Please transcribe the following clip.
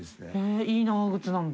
悗Аいい長靴なんだ。